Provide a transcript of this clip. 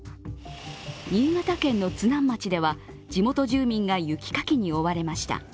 新潟県の津南町では地元住民が雪かきに追われました。